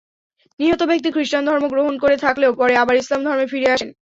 নিহত ব্যক্তি খ্রিষ্টানধর্ম গ্রহণ করে থাকলেও পরে আবার ইসলাম ধর্মে ফিরে আসেন।